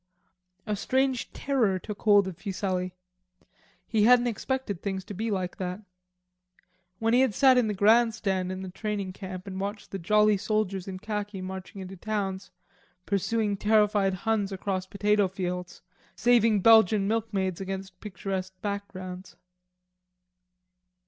A strange terror took hold of Fuselli. He hadn't expected things to be like that. When he had sat in the grandstand in the training camp and watched the jolly soldiers in khaki marching into towns, pursuing terrified Huns across potato fields, saving Belgian milk maids against picturesque backgrounds.